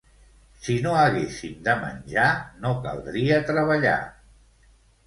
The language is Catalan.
Si no haguéssim de menjar, no caldria treballar.